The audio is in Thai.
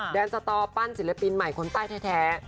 แดนสตอปั้นศิลปินใหม่คนใต้แท้